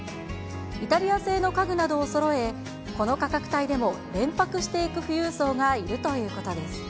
イタリア製の家具などをそろえ、この価格帯でも連泊していく富裕層がいるということです。